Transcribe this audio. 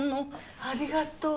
ありがとう。